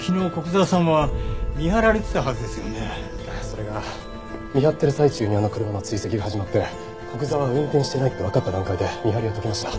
それが見張ってる最中にあの車の追跡が始まって古久沢は運転してないってわかった段階で見張りは解きました。